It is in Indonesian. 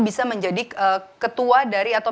bisa menjadi ketua dari atau